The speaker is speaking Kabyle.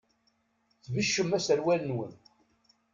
Tbeccem aserwal-nwen.